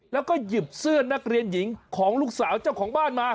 แล้วก็หยิบเสื้อนักเรียนหญิงของลูกสาวเจ้าของบ้านมา